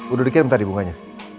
udah dikirim tadi bunganya